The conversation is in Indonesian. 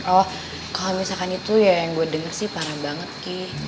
oh kalau misalkan itu ya yang gue dengar sih parah banget ki